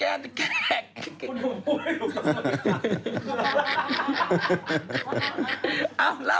หมูเหามีคำสอบใจ